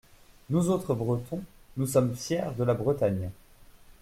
Nous autres Bretons, nous sommes fiers de la Bretagne.